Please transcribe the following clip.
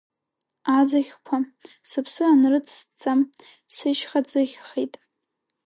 Аӡыхьқәа сыԥсы анрыцсҵа, сышьхаӡыхьхеит!